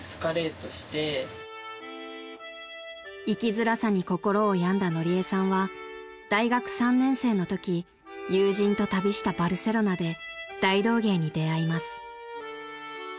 ［生きづらさに心を病んだのりえさんは大学３年生のとき友人と旅したバルセロナで大道芸に出合います］